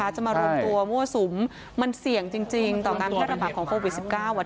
จะมารวมตัวมั่วสุมมันเสี่ยงจริงต่อการแพร่ระบาดของโควิด๑๙